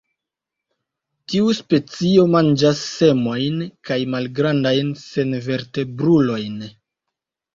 Tiu specio manĝas semojn kaj malgrandajn senvertebrulojn.